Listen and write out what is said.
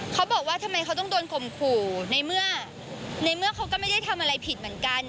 เขาบอกว่าทำไมเขาต้องโดนข่มขู่ในเมื่อในเมื่อเขาก็ไม่ได้ทำอะไรผิดเหมือนกัน